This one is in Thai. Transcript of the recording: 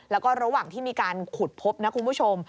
แล้วก็ระหว่างที่มีการขุดพบนะคุณผู้ชม